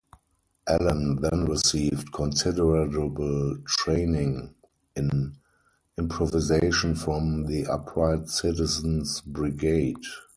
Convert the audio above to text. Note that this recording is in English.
Allen then received considerable training in improvisation from the Upright Citizen's Brigade.